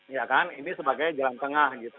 ya kan ini sebagai jalan tengah gitu